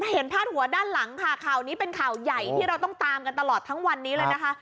พาดหัวด้านหลังค่ะข่าวนี้เป็นข่าวใหญ่ที่เราต้องตามกันตลอดทั้งวันนี้เลยนะคะ